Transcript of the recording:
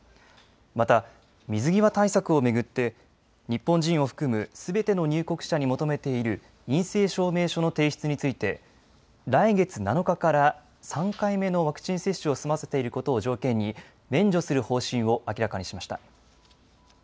また水際対策を巡って日本人を含むすべての入国者に求めている陰性証明書の提出について来月７日から３回目のワクチン接種を済ませていることを条件に免除する方針を明らかにしました。